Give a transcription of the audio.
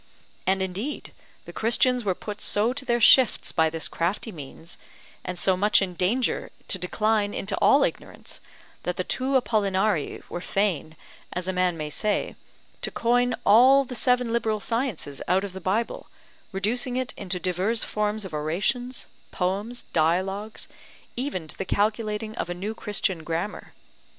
And indeed the Christians were put so to their shifts by this crafty means, and so much in danger to decline into all ignorance, that the two Apollinarii were fain, as a man may say, to coin all the seven liberal sciences out of the Bible, reducing it into divers forms of orations, poems, dialogues, even to the calculating of a new Christian grammar.